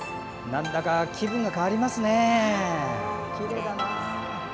なんだか気分が変わりますね。